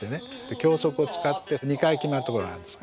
脇息を使って２回決まるところがあるんですが。